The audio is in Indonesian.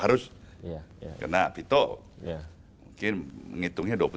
harus kena itu mungkin menghitungnya dua puluh tiga